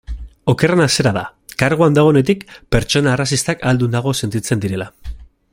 Okerrena zera da, karguan dagoenetik, pertsona arrazistak ahaldunduago sentitzen direla.